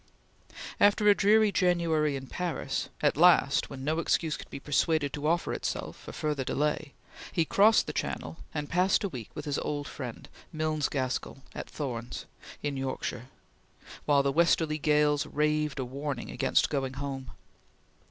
After a dreary January in Paris, at last when no excuse could be persuaded to offer itself for further delay, he crossed the channel and passed a week with his old friend, Milnes Gaskell, at Thornes, in Yorkshire, while the westerly gales raved a warning against going home.